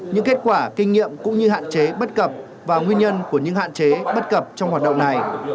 những kết quả kinh nghiệm cũng như hạn chế bất cập và nguyên nhân của những hạn chế bất cập trong hoạt động này